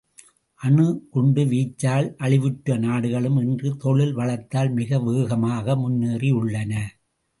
அணுகுண்டு வீச்சால் அழிவுற்ற நாடுகளும் இன்று தொழில் வளத்தால் மிக வேகமாக முன்னேறியுள்ளன.